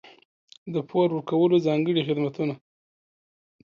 د پور ورکولو ځانګړي خدمتونه.